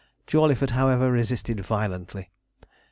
Jawleyford, however, resisted violently.